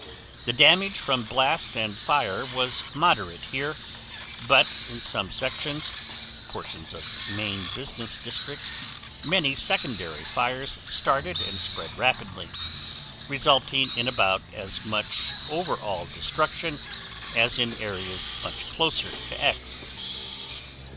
The damage from blast and fire was moderate here, but in some sections (portions of main business districts) many secondary fires started and spread rapidly, resulting in about as much over all destruction as in areas much closer to X.